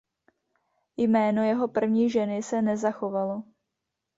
Jméno jeho první ženy se nezachovalo.